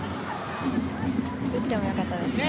打ってもよかったですね。